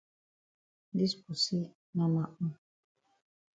Dis pussy na ma own.